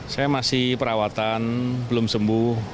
saya masih perawatan belum sembuh